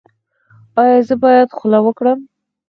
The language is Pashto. ایا زه باید خوله وکړم؟